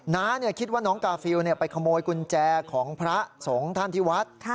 น้าคิดว่าน้องกาฟิลไปขโมยกุญแจของพระสงฆ์ท่านที่วัด